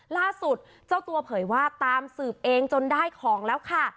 ล่าสุดเจ้าตัวเผยว่าตามสืบเองจนได้ของแล้วค่ะ